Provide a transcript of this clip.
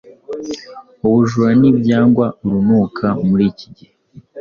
ubujura nibyangwa urunuka muri iki gihe